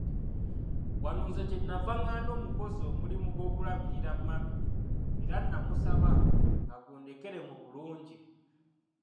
Wano nze kye nnava ngaana omukozi omulimu gw'okulabirira mami era namusaba agundekere mu bulungi.